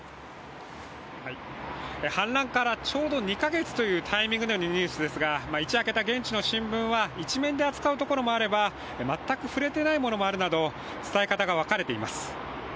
反乱からちょうど２か月というタイミングでのニュースですが一夜明けた現地の新聞は１面で扱うところもあれば、全く触れていないものもあるなど、伝え方が分かれています。